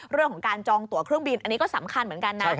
เรื่องของการจองตัวเครื่องบินอันนี้ก็สำคัญเหมือนกันนะ